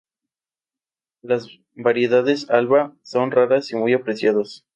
Las variedades "Alba" son raras y muy apreciadas.